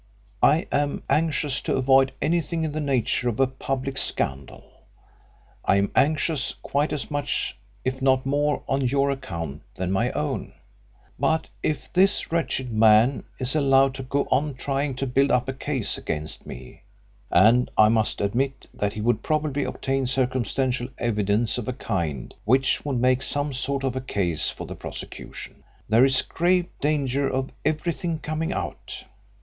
I am anxious to avoid anything in the nature of a public scandal I am anxious quite as much if not more on your account than my own. But if this wretched man is allowed to go on trying to build up a case against me and I must admit that he would probably obtain circumstantial evidence of a kind which would make some sort of a case for the prosecution there is grave danger of everything coming out.